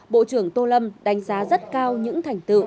bộ trưởng tô lâm đánh giá rất cao những thành tựu